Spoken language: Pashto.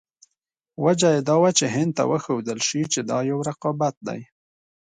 وجه یې دا وه چې هند ته وښودل شي چې دا یو رقابت دی.